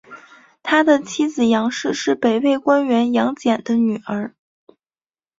他的妻子杨氏是北魏官员杨俭的女儿。